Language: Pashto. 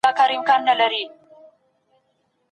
د سرچینو ښه کارونه د پرمختګ لاره پرانیزي.